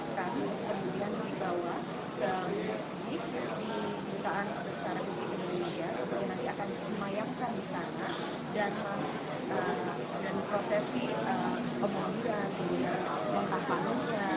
kemudian nanti akan disemayangkan di sana dan diprosesi kemudian di kota panung